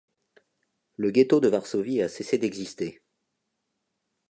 Le ghetto de Varsovie a cessé d'exister.